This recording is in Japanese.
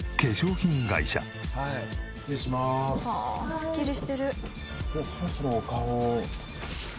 すっきりしてる。